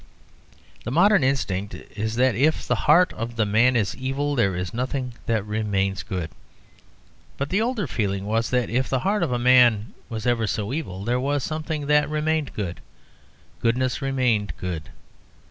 The modern instinct is that if the heart of man is evil, there is nothing that remains good. But the older feeling was that if the heart of man was ever so evil, there was something that remained good goodness remained good.